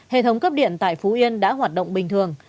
hệ thống cấp điện tại phú yên đã hoạt động bình thường